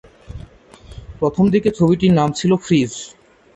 প্রথম দিকে ছবিটির নাম ছিল "ফ্রিজ"।